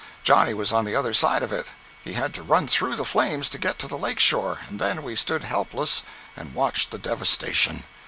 Johnny was on the other side of it. He had to run through the flames to get to the lake shore, and then we stood helpless and watched the devastation.